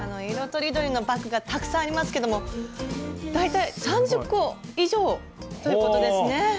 色とりどりのバッグがたくさんありますけども大体３０個以上ということですね。